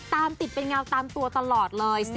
ตามติดเป็นเงาตามตัวตลอดเลย